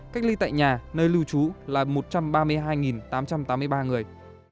cách ly tại nhà nơi lưu trú là một trăm ba mươi hai tám trăm tám mươi ba người